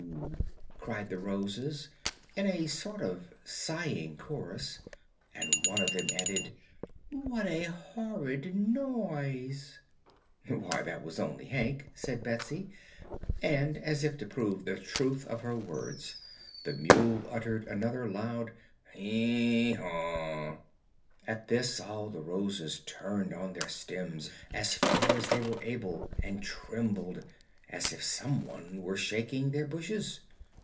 "O o o h!" cried the Roses, in a sort of sighing chorus; and one of them added: "What a horrid noise!" "Why, that was only Hank," said Betsy, and as if to prove the truth of her words the mule uttered another loud "Hee haw!" At this all the Roses turned on their stems as far as they were able and trembled as if some one were shaking their bushes.